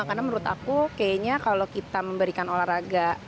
karena menurut aku kayaknya kalau kita memberikan olahraga